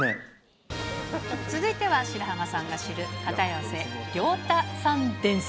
続いては白濱さんが知る片寄涼太さん伝説。